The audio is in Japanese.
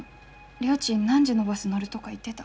りょーちん何時のバス乗るとか言ってた？